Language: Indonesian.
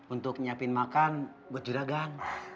untuk nyiapin makan buat jeragam